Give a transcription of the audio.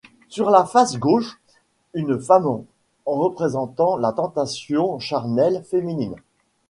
Sur la face gauche, une femme, représentant la tentation charnelle féminine.